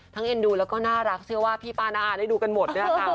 เอ็นดูแล้วก็น่ารักเชื่อว่าพี่ป้าน้าอาได้ดูกันหมดเนี่ยค่ะ